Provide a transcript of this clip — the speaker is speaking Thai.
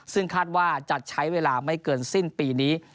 ซึ่งคาดว่าจะใช้เวลาไม่เกินสิ้นปีนี้